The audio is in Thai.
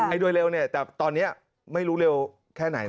โดยเร็วเนี่ยแต่ตอนนี้ไม่รู้เร็วแค่ไหน